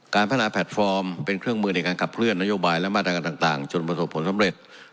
การพัฒนาแพลตฟอร์มเป็นเครื่องมือในการขับเคลื่อนนโยบายและมาตรการต่างจนประสบผลสำเร็จ